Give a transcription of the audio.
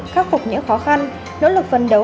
khắc phục những khó khăn nỗ lực phân đấu